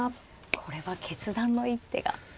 これは決断の一手が。